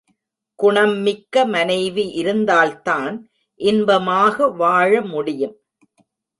குணம் மிக்க மனைவி இருந்தால்தான் இன்பமாக வாழ முடியும்.